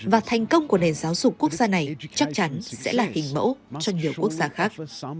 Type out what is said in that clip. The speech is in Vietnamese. và thành công của nền giáo dục quốc gia này chắc chắn sẽ là hình mẫu cho nhiều quốc gia khác